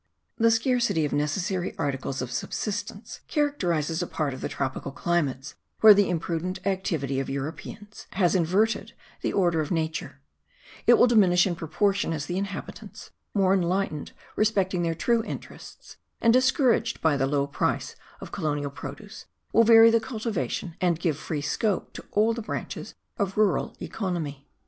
The scarcity of necessary articles of subsistence characterizes a part of the tropical climates where the imprudent activity of Europeans has inverted the order of nature: it will diminish in proportion as the inhabitants, more enlightened respecting their true interests, and discouraged by the low price of colonial produce, will vary the cultivation, and give free scope to all the branches of rural economy.